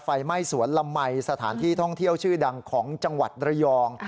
ไฟไหม้สวนลำไหมสถานที่ท่องเที่ยวชื่อดังของจังหวัดระยอง